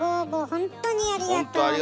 ほんとありがとうございます。